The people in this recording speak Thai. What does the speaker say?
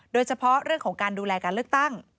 โดยเฉพาะเรื่องของการดูแลการเลือกตั้ง